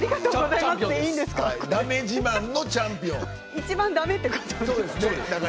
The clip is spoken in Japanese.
一番だめってことですか？